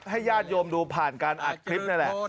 ญาติโยมดูผ่านการอัดคลิปนั่นแหละ